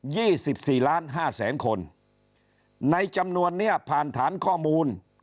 สิบสี่ล้านห้าแสนคนในจำนวนเนี้ยผ่านฐานข้อมูล